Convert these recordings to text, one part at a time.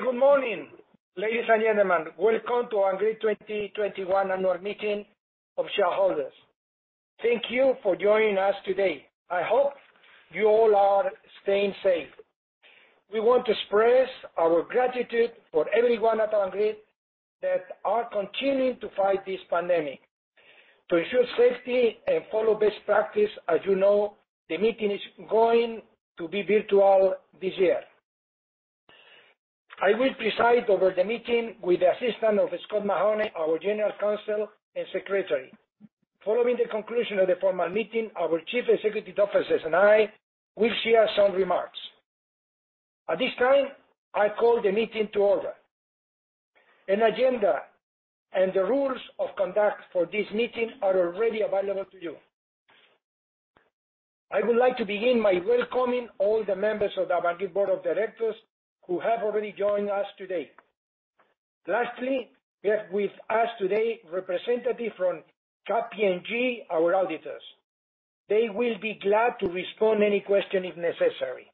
Okay, good morning, ladies and gentlemen. Welcome to Avangrid 2021 Annual Meeting of Shareholders. Thank you for joining us today. I hope you all are staying safe. We want to express our gratitude for everyone at Avangrid that are continuing to fight this pandemic. To ensure safety and follow best practice, as you know, the meeting is going to be virtual this year. I will preside over the meeting with the assistance of Scott Mahoney, our General Counsel and Secretary. Following the conclusion of the formal meeting, our Chief Executive Officers and I will share some remarks. At this time, I call the meeting to order. An agenda and the rules of conduct for this meeting are already available to you. I would like to begin by welcoming all the members of the Avangrid Board of Directors who have already joined us today. Lastly, we have with us today a representative from KPMG, our auditors. They will be glad to respond to any question if necessary.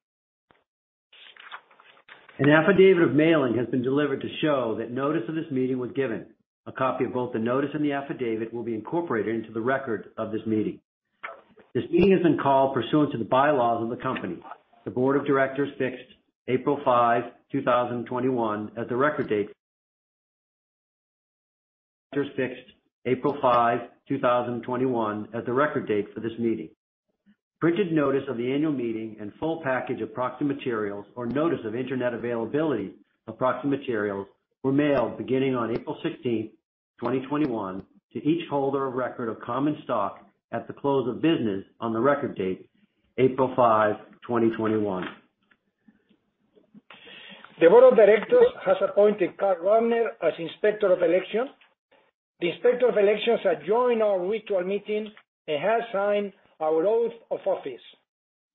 An affidavit of mailing has been delivered to show that notice of this meeting was given. A copy of both the notice and the affidavit will be incorporated into the records of this meeting. This meeting is then called pursuant to the bylaws of the company. The Board of Directors fixed April 5, 2021, as the record date for this meeting. Bridged notice of the annual meeting and full package of proxy materials or notice of internet availability of proxy materials were mailed beginning on April 16, 2021, to each holder of record of common stock at the close of business on the record date, April 5, 2021. The Board of Directors has appointed Carl Wagner as Inspector of Election. The Inspector of Elections has joined our virtual meeting and has signed our oath of office.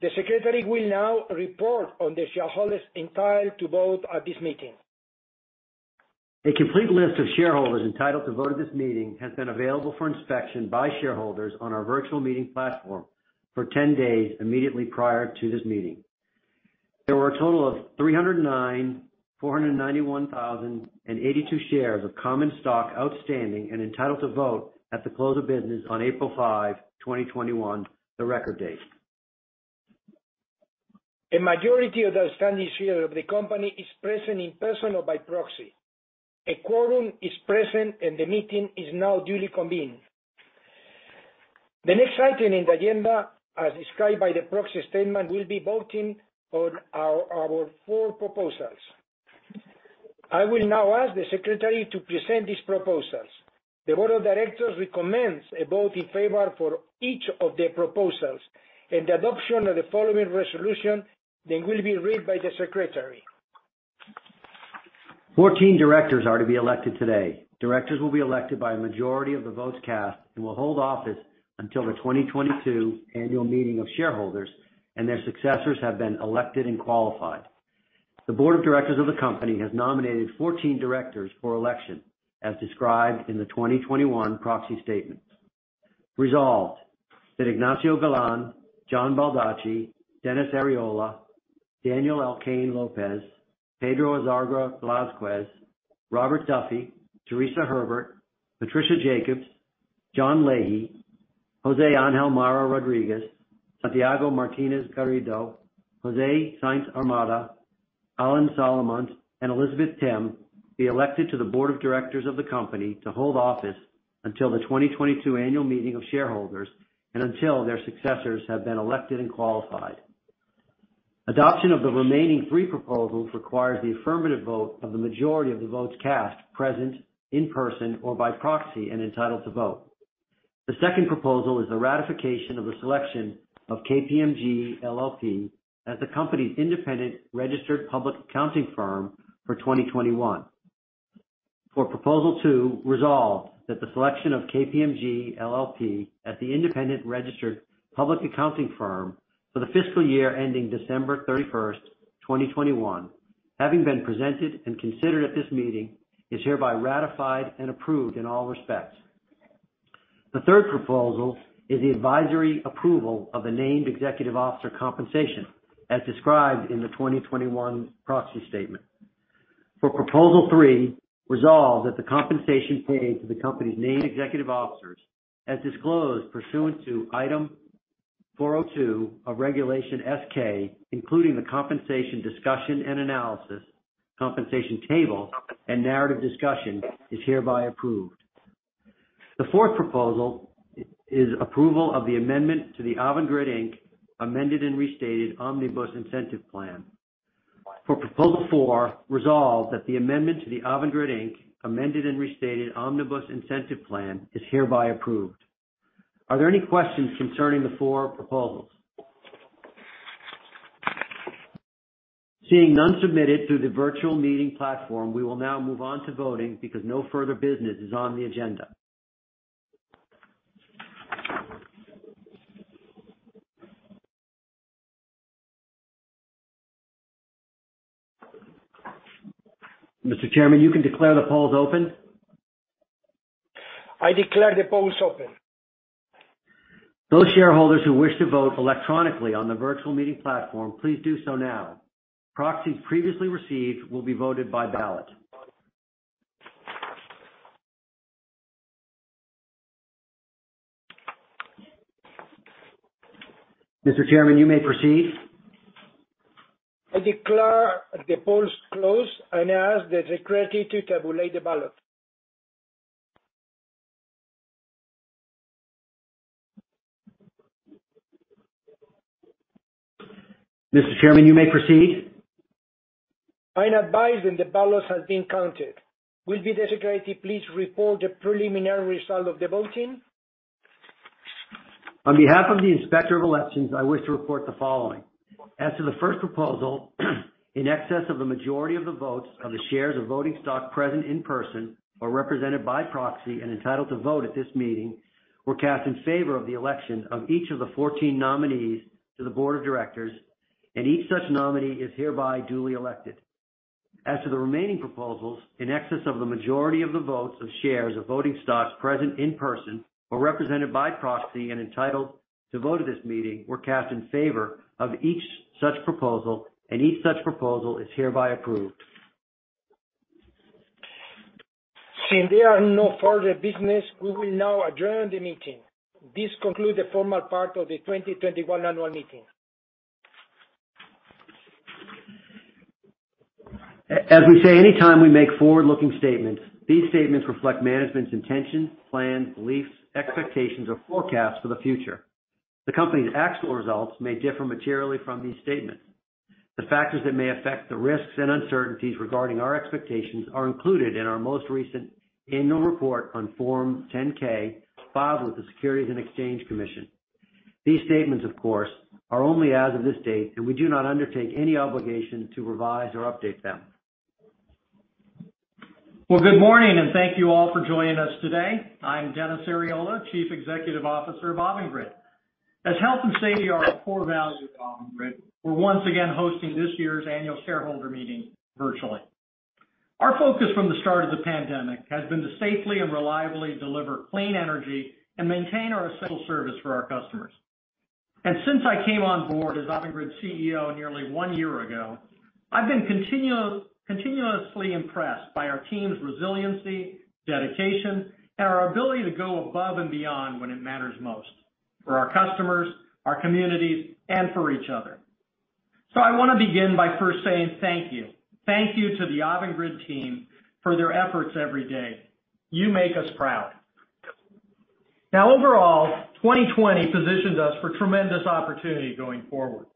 The Secretary will now report on the shareholders entitled to vote at this meeting. A complete list of shareholders entitled to vote at this meeting has been available for inspection by shareholders on our virtual meeting platform for 10 days immediately prior to this meeting. There were a total of 309,491,082 shares of common stock outstanding and entitled to vote at the close of business on April 5, 2021, the record date. A majority of the outstanding shares of the company is present in person or by proxy. A quorum is present, and the meeting is now duly convened. The next item in the agenda, as described by the proxy statement, will be voting on our four proposals. I will now ask the Secretary to present these proposals. The Board of Directors recommends a vote in favor for each of the proposals and adoption of the following resolution that will be read by the Secretary. 14 directors are to be elected today. Directors will be elected by a majority of the votes cast and will hold office until the 2022 Annual Meeting of Shareholders and their successors have been elected and qualified. The Board of Directors of the company has nominated 14 directors for election, as described in the 2021 proxy statement. Resolved, that Ignacio Galán, John Baldacci, Dennis Arriola, Daniel Alcain Lopez, Pedro Azagra Blázquez, Robert Duffy, Teresa Herbert, Patricia Jacobs, John Lahey, José Ángel Marañón Rodríguez, Santiago Martínez Garrido, José Sáinz Armada, Alan Solomont, and Elizabeth Timm be elected to the Board of Directors of the company to hold office until the 2022 Annual Meeting of Shareholders and until their successors have been elected and qualified. Adoption of the remaining three proposals requires the affirmative vote of the majority of the votes cast present in person or by proxy and entitled to vote. The second proposal is the ratification of the selection of KPMG LLP as the company's independent registered public accounting firm for 2021. For Proposal two, resolved, that the selection of KPMG LLP as the independent registered public accounting firm for the fiscal year ending December 31st, 2021, having been presented and considered at this meeting, is hereby ratified and approved in all respects. The third proposal is the advisory approval of the named executive officer compensation, as described in the 2021 proxy statement. For Proposal three, resolved, that the compensation paid to the company's named executive officers, as disclosed pursuant to Item 402 of Regulation S-K, including the compensation discussion and analysis, compensation table, and narrative discussion, is hereby approved. The fourth proposal is approval of the amendment to the Avangrid, Inc. Amended and Restated Omnibus Incentive Plan. For Proposal four, resolved, that the amendment to the Avangrid, Inc. Amended and Restated Omnibus Incentive Plan is hereby approved. Are there any questions concerning the four proposals? Seeing none submitted through the virtual meeting platform, we will now move on to voting because no further business is on the agenda. Mr. Chairman, you can declare the polls open I declare the polls open. Those shareholders who wish to vote electronically on the virtual meeting platform, please do so now. Proxies previously received will be voted by ballot. Mr. Chairman, you may proceed. I declare the polls closed and ask the secretary to tabulate the ballot. Mr. Chairman, you may proceed. I'm advised that the ballots have been counted. Will the secretary please report the preliminary result of the voting? On behalf of the Inspector of Elections, I wish to report the following. As to the first proposal, in excess of the majority of the votes of the shares of voting stock present in person or represented by proxy and entitled to vote at this meeting were cast in favor of the election of each of the 14 nominees to the board of directors, and each such nominee is hereby duly elected. As to the remaining proposals, in excess of the majority of the votes of shares of voting stock present in person or represented by proxy and entitled to vote at this meeting were cast in favor of each such proposal, and each such proposal is hereby approved. Since there are no further business, we will now adjourn the meeting. This concludes the formal part of the 2021 annual meeting. As we say anytime we make forward-looking statements, these statements reflect management's intentions, plans, beliefs, expectations, or forecasts for the future. The company's actual results may differ materially from these statements. The factors that may affect the risks and uncertainties regarding our expectations are included in our most recent annual report on Form 10-K filed with the Securities and Exchange Commission. These statements, of course, are only as of this date, and we do not undertake any obligation to revise or update them. Well, good morning. Thank you all for joining us today. I'm Dennis Arriola, Chief Executive Officer of Avangrid. As health and safety are a core value at Avangrid, we're once again hosting this year's annual shareholder meeting virtually. Our focus from the start of the pandemic has been to safely and reliably deliver clean energy and maintain our essential service for our customers. Since I came on board as Avangrid CEO nearly one year ago, I've been continuously impressed by our team's resiliency, dedication, and our ability to go above and beyond when it matters most for our customers, our communities, and for each other. I want to begin by first saying thank you. Thank you to the Avangrid team for their efforts every day. You make us proud. Now overall, 2020 positions us for tremendous opportunity going forward.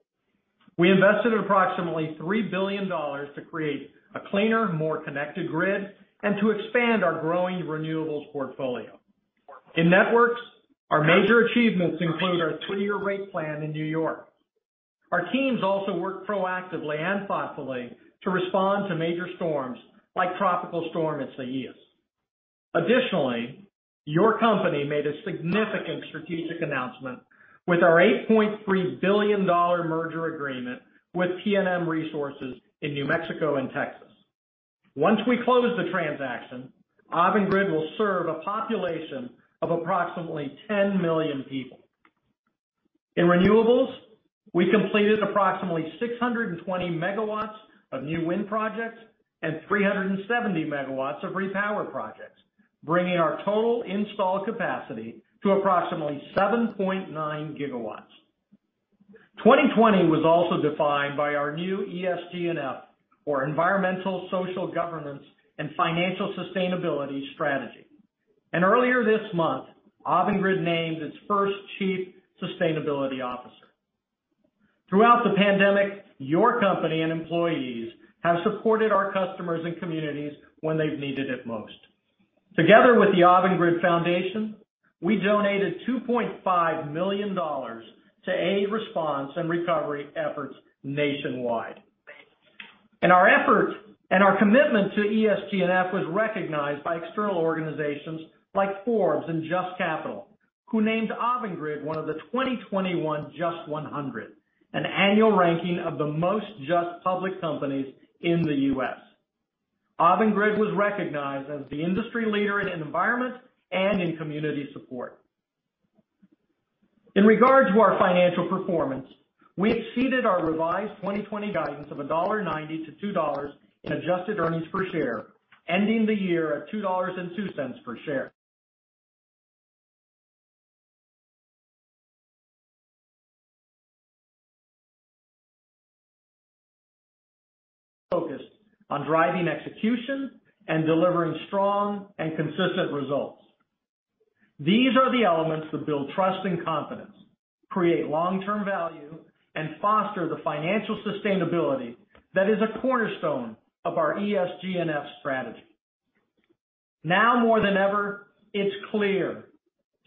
We invested approximately $3 billion to create a cleaner, more connected grid and to expand our growing renewables portfolio. In networks, our major achievements include our two-year rate plan in New York. Our teams also work proactively and thoughtfully to respond to major storms like Tropical Storm Isaias. Additionally, your company made a significant strategic announcement with our $8.3 billion merger agreement with PNM Resources in New Mexico and Texas. Once we close the transaction, Avangrid will serve a population of approximately 10 million people. In renewables, we completed approximately 620 MW of new wind projects and 370 MW of repower projects, bringing our total installed capacity to approximately 7.9 GW. 2020 was also defined by our new ESG&F, or Environmental, Social, Governance, and Financial Sustainability strategy. Earlier this month, Avangrid named its first chief sustainability officer. Throughout the pandemic, your company and employees have supported our customers and communities when they've needed it most. Together with the Avangrid Foundation, we donated $2.5 million to aid response and recovery efforts nationwide. And our effort and our commitment to ESG&F was recognized by external organizations like Forbes and JUST Capital, who named Avangrid one of the 2021 JUST 100, an annual ranking of the most just public companies in the U.S. Avangrid was recognized as the industry leader in environment and in community support. In regards to our financial performance, we exceeded our revised 2020 guidance of $1.90-$2.00 in adjusted earnings per share, ending the year at $2.02 per share. Focused on driving execution and delivering strong and consistent results. These are the elements that build trust and confidence, create long-term value, and foster the financial sustainability that is a cornerstone of our ESG&F strategy. Now more than ever, it's clear,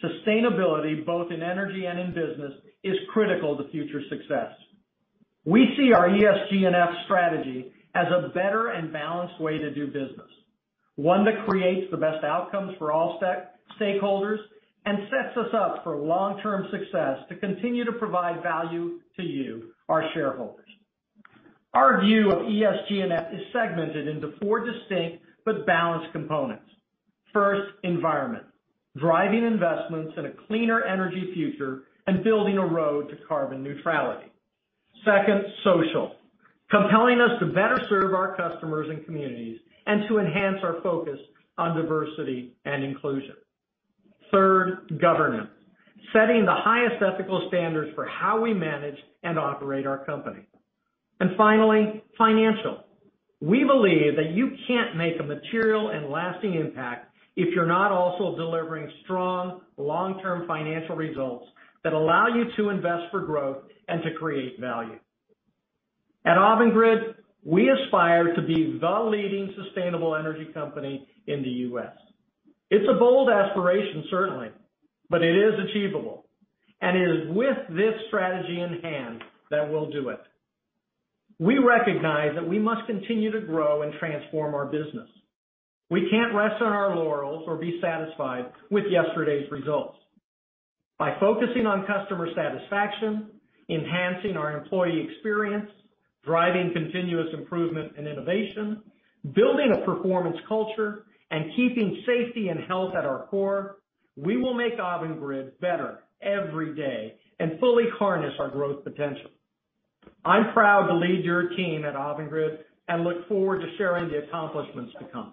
sustainability, both in energy and in business, is critical to future success. We see our ESG&F strategy as a better and balanced way to do business, one that creates the best outcomes for all stakeholders and sets us up for long-term success to continue to provide value to you, our shareholders. Our view of ESG&F is segmented into four distinct but balanced components. First, environment, driving investments in a cleaner energy future and building a road to carbon neutrality. Second, social, compelling us to better serve our customers and communities and to enhance our focus on diversity and inclusion. Third, governance, setting the highest ethical standards for how we manage and operate our company. Finally, financial. We believe that you can't make a material and lasting impact if you're not also delivering strong long-term financial results that allow you to invest for growth and to create value. At Avangrid, we aspire to be the leading sustainable energy company in the U.S. It's a bold aspiration, certainly, but it is achievable, and it is with this strategy in hand that we'll do it. We recognize that we must continue to grow and transform our business. We can't rest on our laurels or be satisfied with yesterday's results. By focusing on customer satisfaction, enhancing our employee experience, driving continuous improvement and innovation, building a performance culture, and keeping safety and health at our core, we will make Avangrid better every day and fully harness our growth potential. I'm proud to lead your team at Avangrid and look forward to sharing the accomplishments to come.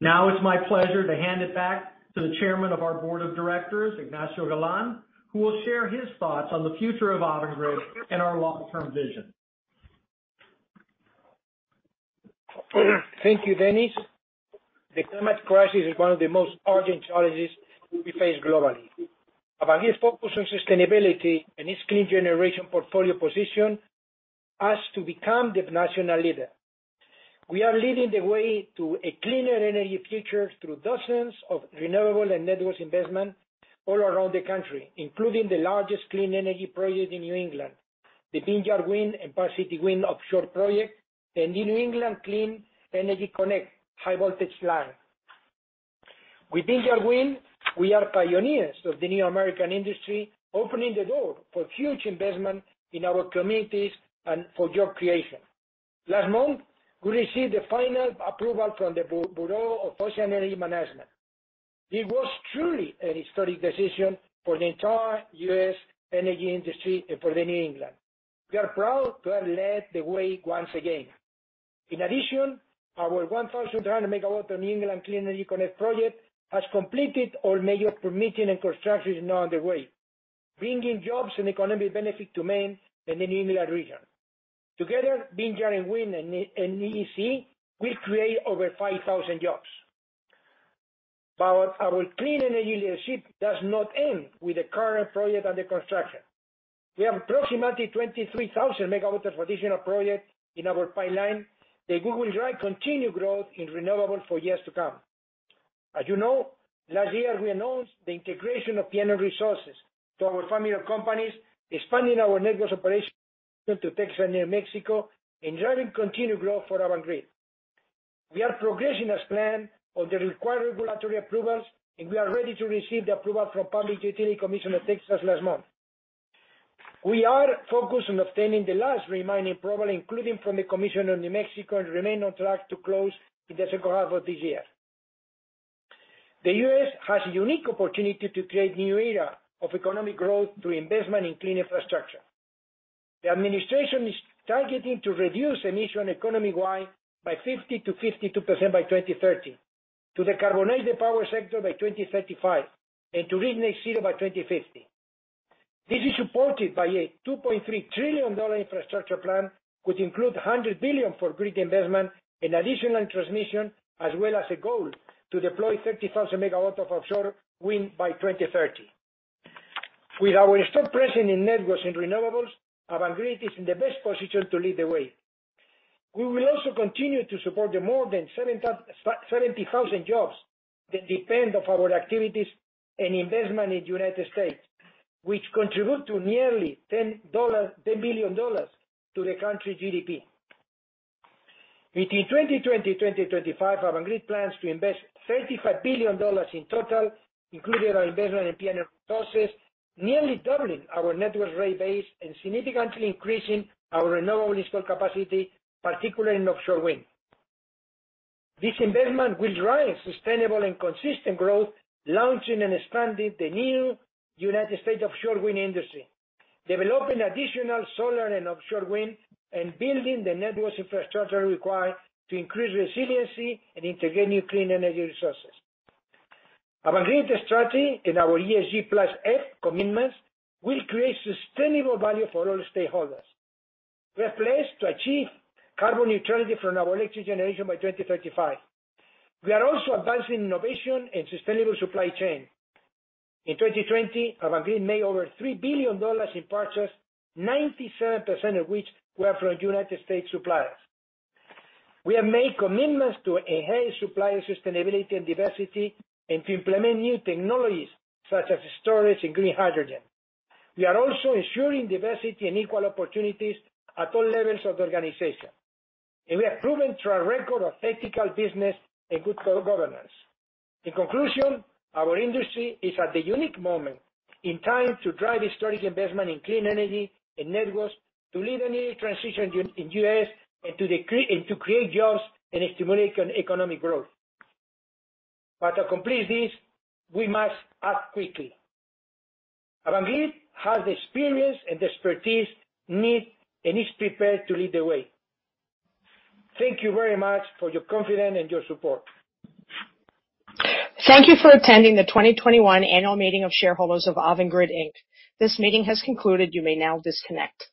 Now it's my pleasure to hand it back to the Chairman of our Board of Directors, Ignacio Galán, who will share his thoughts on the future of Avangrid and our long-term vision. Thank you, Dennis. The climate crisis is one of the most urgent challenges we face globally. Avangrid's focus on sustainability and its clean generation portfolio positions us to become the national leader. We are leading the way to a cleaner energy future through dozens of renewable and networks investment all around the country, including the largest clean energy project in New England, the Vineyard Wind and Park City Wind offshore project, and New England Clean Energy Connect high-voltage line. With Vineyard Wind, we are pioneers of the new American industry, opening the door for huge investment in our communities and for job creation. Last month, we received the final approval from the Bureau of Ocean Energy Management. It was truly a historic decision for the entire U.S. energy industry and for the New England. We are proud to have led the way once again. In addition, our 1,200 MW New England Clean Energy Connect project has completed all major permitting, and construction is now underway, bringing jobs and economic benefit to Maine and the New England region. Together, Vineyard Wind and NECEC will create over 5,000 jobs. Our clean energy leadership does not end with the current project under construction. We have approximately 23,000 MW of additional projects in our pipeline that will drive continued growth in renewable for years to come. As you know, last year, we announced the integration of PNM Resources to our family of companies, expanding our network operations into Texas and New Mexico and driving continued growth for Avangrid. We are progressing as planned on the required regulatory approvals, and we are ready to receive the approval from Public Utility Commission of Texas last month. We are focused on obtaining the last remaining approval, including from the commission of New Mexico, and remain on track to close in the second half of this year. The U.S. has a unique opportunity to create new era of economic growth through investment in clean infrastructure. The administration is targeting to reduce emission economy-wide by 50%-52% by 2030, to decarbonize the power sector by 2035, and to reach net zero by 2050. This is supported by a $2.3 trillion infrastructure plan, which includes $100 billion for grid investment and additional transmission, as well as a goal to deploy 30,000 MW of offshore wind by 2030. With our strong presence in networks and renewables, Avangrid is in the best position to lead the way. We will also continue to support the more than 70,000 jobs that depend on our activities and investment in the U.S., which contribute to nearly $10 billion to the country GDP. Between 2020 and 2025, Avangrid plans to invest $35 billion in total, including our investment in PNM Resources, nearly doubling our network rate base and significantly increasing our renewable installed capacity, particularly in offshore wind. This investment will drive sustainable and consistent growth, launching and expanding the new U.S. offshore wind industry, developing additional solar and offshore wind, and building the networks infrastructure required to increase resiliency and integrate new clean energy resources. Avangrid strategy in our ESG+F commitments will create sustainable value for all stakeholders. We are poised to achieve carbon neutrality from our electric generation by 2035. We are also advancing innovation and sustainable supply chain. In 2020, Avangrid made over $3 billion in purchase, 97% of which were from United States suppliers. We have made commitments to enhance supplier sustainability and diversity and to implement new technologies such as storage and green hydrogen. We are also ensuring diversity and equal opportunities at all levels of the organization, and we are proven through our record of ethical business and good governance. In conclusion, our industry is at the unique moment in time to drive historic investment in clean energy and networks to lead a new transition in U.S. and to create jobs and stimulate economic growth. To complete this, we must act quickly. Avangrid has the experience and expertise needed and is prepared to lead the way. Thank you very much for your confidence and your support. Thank you for attending the 2021 annual meeting of shareholders of Avangrid, Inc. This meeting has concluded. You may now disconnect.